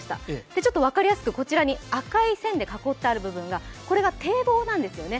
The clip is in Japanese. ちょっと分かりやすく赤い線で囲ってある部分が堤防なんですよね。